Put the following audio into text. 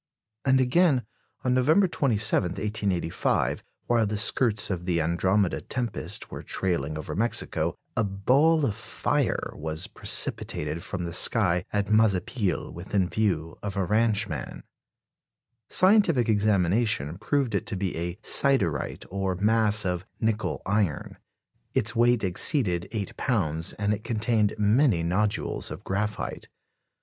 " And again, on November 27, 1885, while the skirts of the Andromede tempest were trailing over Mexico, "a ball of fire" was precipitated from the sky at Mazapil, within view of a ranchman. Scientific examination proved it to be a "siderite," or mass of "nickel iron"; its weight exceeded eight pounds, and it contained many nodules of graphite.